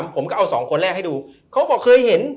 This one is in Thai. ผมก็เอาสองคนแรกให้ดูเขาบอกเคยเห็น